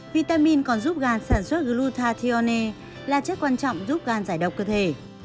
vitamin còn giúp gan sản xuất glutathione là chất quan trọng giúp gan giải độc cơ thể